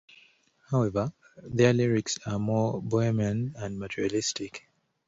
However, their lyrics are more bohemian than materialistic.